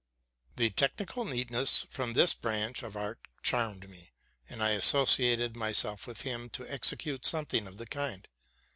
The technical neatness of this branch of art charmed me, and I associated myself with him to execute something of the kind.